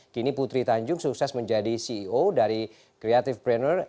kini putri tanjung sukses menjadi ceo dari creative planner